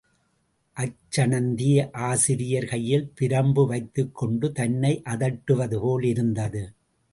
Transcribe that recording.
அச்சணந்தி ஆசிரியர் கையில் பிரம்பு வைத்துக் கொண்டு தன்னை அதட்டுவது போல் இருந்தது.